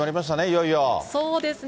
いよいよ。